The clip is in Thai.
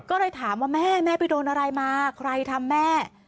ก็เลยถามว่าแม่แม่ไปโดนอะไรมาใครทำแม่